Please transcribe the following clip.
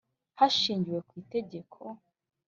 Hashingiwe ku itegeko